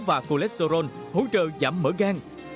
và cholesterol hỗ trợ giảm mỡ gan